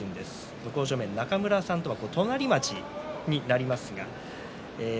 向正面の中村さんとは隣町になります。